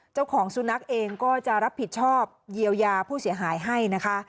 เจ้าของสุนัขเองก็จะรับผิดชอบเยียวยาผู้เสียหายให้นะคะ